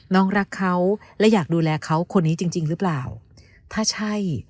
น้องรักเขาและอยากดูแลเขาคนนี้จริงจริงหรือเปล่าถ้าใช่